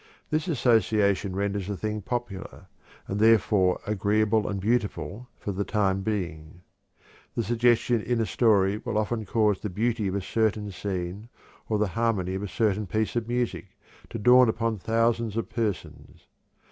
This association renders the thing popular, and therefore agreeable and beautiful for the time being. The suggestion in a story will often cause the beauty of a certain scene, or the harmony of a certain piece of music, to dawn upon thousands of persons.